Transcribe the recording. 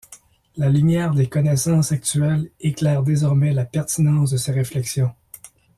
La lumière des connaissances actuelles éclaire désormais la pertinence de ses réflexions.